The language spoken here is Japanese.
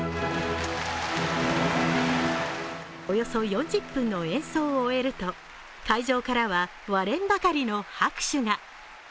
およそ４０分の演奏を終えると、会場からは割れんばかりの拍手が。